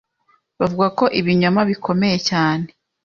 bavuga ko ibinyoma bikomeye cyane